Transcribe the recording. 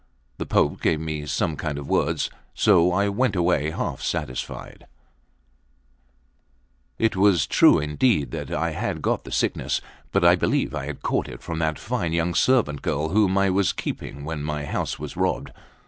The Pope gave me some kind words, and so I went away half satisfied. Note 1. 'Che mettessi tanta mazza.' LIX IT was true indeed that I had got the sickness; but I believe I caught it from that fine young servant girl whom I was keeping when my house was robbed.